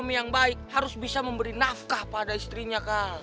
yang baik harus bisa memberi nafkah pada istrinya